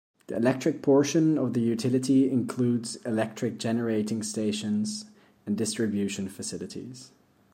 The electric portion of the utility includes electric generating stations and distribution facilities.